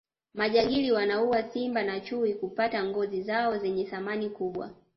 majangili wanaua simba na chui kupata ngozi zao zenye thamani kubwa